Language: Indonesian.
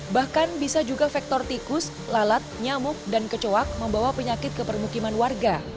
bahkan bisa juga faktor tikus lalat nyamuk dan kecoak membawa penyakit ke permukiman warga